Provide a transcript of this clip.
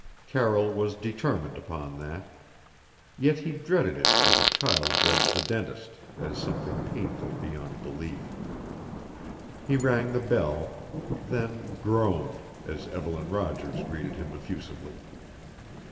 Carroll was determined upon that yet he dreaded it as a child dreads the dentist as something painful beyond belief. He rang the bell then groaned as Evelyn Rogers greeted him effusively.